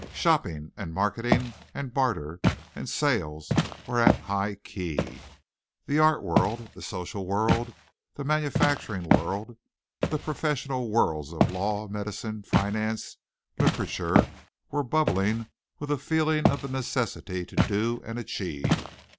Shopping and marketing and barter and sale were at high key. The art world, the social world, the manufacturing world, the professional worlds of law, medicine, finance, literature, were bubbling with a feeling of the necessity to do and achieve.